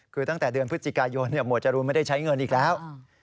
คือตั้งแต่เดือนพฤศจิกายนหมวดจรูนไม่ได้ใช้เงินอีกแล้ว